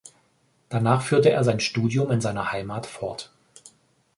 Danach führte er sein Studium in seiner Heimat fort.